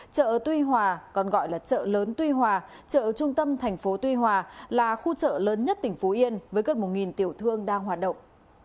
chợ tuy hòa còn gọi là chợ lớn tuy hòa chợ trung tâm tp tuy hòa là khu chợ lớn nhất tp yên với gần một tiểu thương đang hoạt động